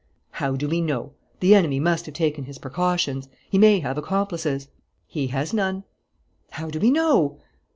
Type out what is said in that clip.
"How do we know? The enemy must have taken his precautions. He may have accomplices." "He has none." "How do we know?"